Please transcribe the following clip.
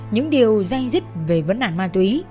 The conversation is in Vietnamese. những điều dây dứt về vấn đảm ma túy